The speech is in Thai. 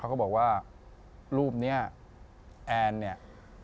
เขาบอกว่ารูปนี้แอนเนี่ย